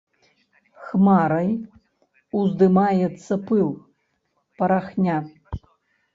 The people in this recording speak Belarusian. Хмарай уздымаецца пыл, парахня.